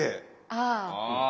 ああ。